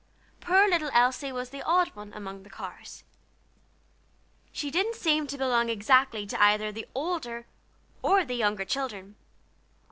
Poor little Elsie was the "odd one" among the Carrs. She didn't seem to belong exactly to either the older or the younger children.